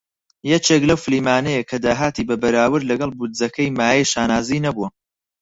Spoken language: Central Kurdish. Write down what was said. یەکێک لەو فیلمانەیە کە داهاتی بە بەراورد لەگەڵ بودجەکەی مایەی شانازی نەبووە.